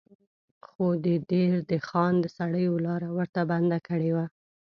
خو د دیر د خان سړیو لاره ورته بنده کړې وه.